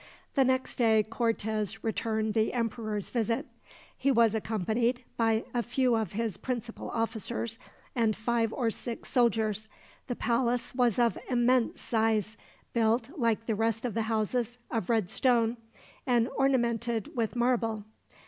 The next day Cortez returned the emperor's visit. He was accompanied by a few of his principal officers, and five or six soldiers. The palace was of immense size, built, like the rest of the houses, of red stone, and ornamented with marble.